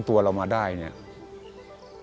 ทำด้วยความรู้ของตัวเองที่ตัวเองรู้แค่นั้น